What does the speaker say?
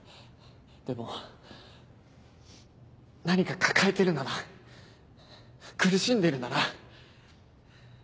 でも何か抱えてるなら苦しんでるなら。